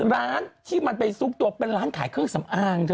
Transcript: ร้านที่มันไปซุกตัวเป็นร้านขายเครื่องสำอางเธอ